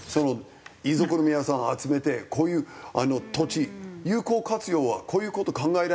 遺族の皆さんを集めてこういう土地有効活用はこういう事考えられますよ。